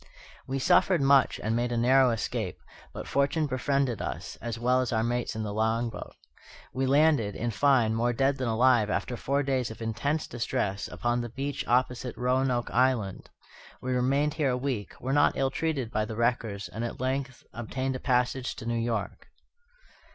We suffered much and made a narrow escape; but fortune befriended us, as well as our mates in the long boat. We landed, in fine, more dead than alive, after four days of intense distress, upon the beach opposite Roanoke Island. We remained here a week, were not ill treated by the wreckers, and at length obtained a passage to New York.